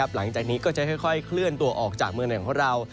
หลังจากนี้ก็จะค่อยเคลื่อนตัวออกจากเมืองไหนของเรา